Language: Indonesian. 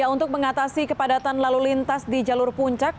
untuk mengatasi kepadatan lalu lintas di jalur puncak